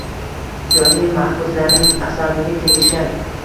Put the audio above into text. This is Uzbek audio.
Siyosiy mahbuslarning asabiga tegishgan.